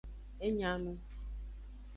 E nya nu.